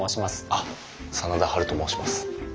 あっ真田ハルと申します。